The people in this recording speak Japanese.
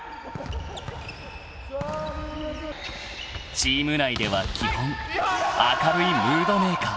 ［チーム内では基本明るいムードメーカー］